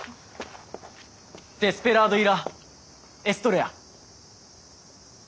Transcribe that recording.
「デスペラードイ・ラ・エストレヤ」。